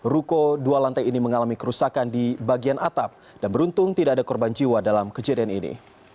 ruko dua lantai ini mengalami kerusakan di bagian atap dan beruntung tidak ada korban jiwa dalam kejadian ini